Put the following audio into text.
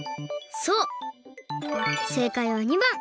そうせいかいは②ばん！